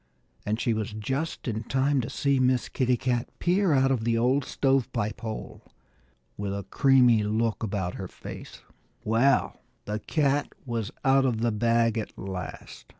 And she was just in time to see Miss Kitty Cat peer out of the old stove pipe hole, with a creamy look about her mouth. Well, the cat was out of the bag at last.